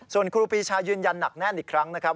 ส่วนครูปีชายืนยันหนักแน่นอีกครั้งนะครับ